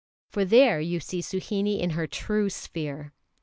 For there you see Suhinie in her true sphere.